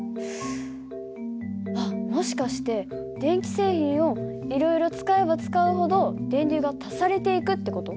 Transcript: あっもしかして電気製品をいろいろ使えば使うほど電流が足されていくって事？